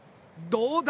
どうだ？